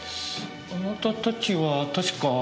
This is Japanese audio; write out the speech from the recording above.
あなたたちは確か。